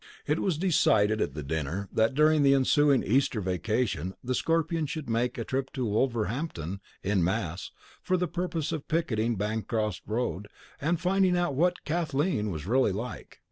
It was decided at the dinner that during the ensuing Easter vacation the Scorpions should make a trip to Wolverhampton, en masse, for the purpose of picketing Bancroft Road and finding out what Kathleen was really like.